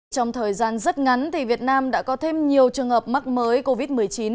trong thời gian rất ngắn việt nam đã có thêm nhiều trường hợp mắc mới covid một mươi chín